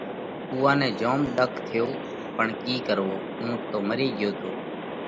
اُوئا نئہ جوم ۮک ٿيو پڻ ڪِي ڪروو، اُونٺ تو مري ڳيو تو۔